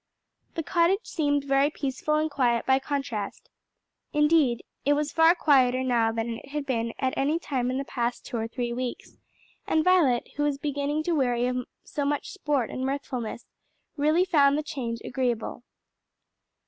The cottage seemed very peaceful and quiet by contrast. Indeed it was far quieter now than it had been at any time in the past two or three weeks, and Violet, who was beginning to weary of so much sport and mirthfulness, really found the change agreeable.